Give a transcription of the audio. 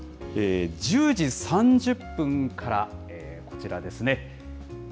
１０時３０分から、こちらですね。